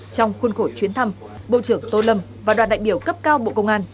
trong khuôn khổ chuyến thăm bộ trưởng tô lâm và đoàn đại biểu cấp cao bộ công an